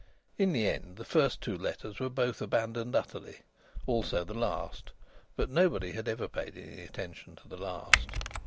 In the end the first two letters were both abandoned utterly, also the last but nobody had ever paid any attention to the last.